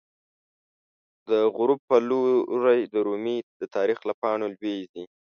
د غروب په لوری د رومی، د تاریخ له پاڼو لویزی